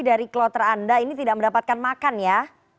dari kloter anda ini tidak mendapatkan makan ya